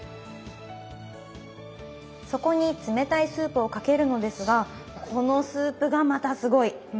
そこに冷たいスープをかけるのですがこのスープがまたすごい。